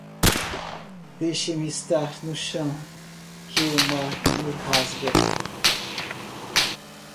Deixe-me estar no chão, que o mar me rasga.